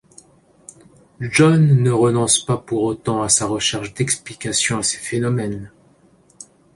John ne renonce pas pour autant à sa recherche d’explications à ces phénomènes.